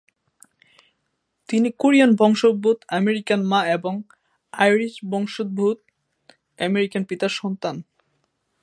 তিনি কোরিয়ান বংশোদ্ভূত আমেরিকান মা এবং আইরিশ বংশোদ্ভূত আমেরিকান পিতার সন্তান।